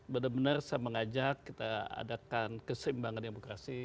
benar benar saya mengajak kita adakan keseimbangan demokrasi